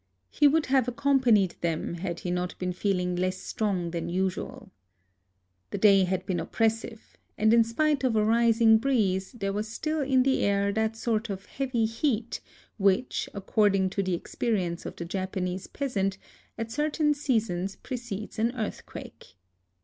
He would have accompanied them had he not been feeling less strong than usual. The day had been oppressive ; and in spite of a rising breeze there was still in the air 1 Shinto parish temple. A LIVING GOD 19 that sort of heavy heat which, according to the experience of the Japanese peasant, at certain seasons precedes an earthquake.